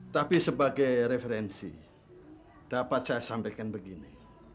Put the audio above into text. tapi sebagai referensi dapat saya sampaikan begini